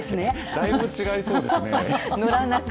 だいぶ違いそうですね。